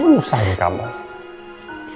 kalau om tau hidup kamu menderita